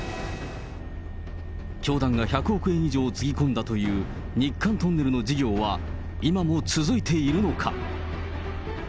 教団が１００億円以上つぎ込んだという日韓トンネルの事業は今も続いているのか。